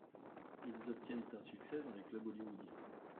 Ils obtiennent un succès dans les clubs hollywoodiens.